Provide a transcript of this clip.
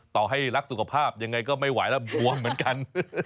ต่อให้รักสุขภาพยังไงก็ไม่ไหวแล้วบวมเหมือนกัน